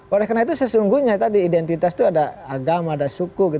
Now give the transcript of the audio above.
oleh karena itu sesungguhnya tadi identitas itu ada agama ada suku